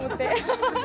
ハハハハハ。